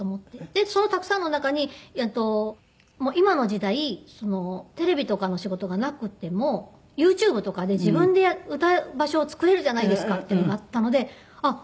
でそのたくさんの中に「今の時代テレビとかの仕事がなくてもＹｏｕＴｕｂｅとかで自分で歌う場所を作れるじゃないですか」っていうのがあったのであっ